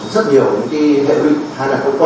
rất nhiều những cái hệ vị